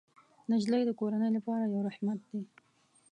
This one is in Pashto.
نجلۍ د کورنۍ لپاره یو رحمت دی.